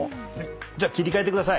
じゃ切り替えてください。